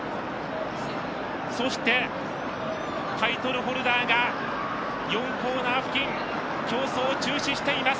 そして、タイトルホルダーが４コーナー付近競走中止しています。